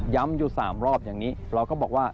อยู่๓รอบอย่างนี้เราก็บอกว่า